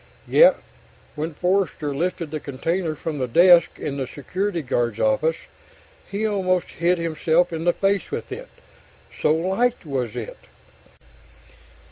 Yet when Forster lifted the container from the desk in the security guards' office, he almost hit himself in the face with it, so light was it.